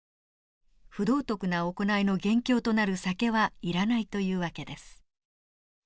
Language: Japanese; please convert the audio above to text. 不道徳な行いの元凶となる酒はいらないという訳です。